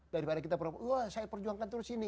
daripada kita wah saya perjuangkan terus ini